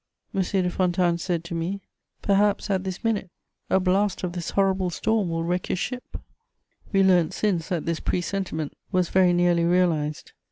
M. de Fontanes said to me: "Perhaps, at this minute, a blast of this horrible storm will wreck his ship.' "We learnt since that this presentiment was very nearly realized.